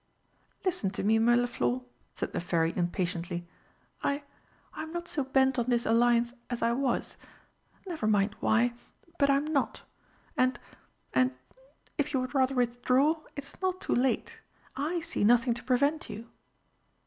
"Listen to me, Mirliflor," said the Fairy impatiently. "I I'm not so bent on this alliance as I was. Never mind why but I'm not. And and if you would rather withdraw, it's not too late. I see nothing to prevent you."